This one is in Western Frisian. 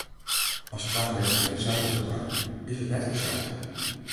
As twa minsken itselde dogge, is it net itselde.